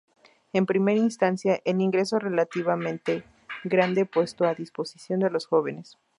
En primera instancia, el ingreso relativamente grande puesto a disposición de los jóvenes.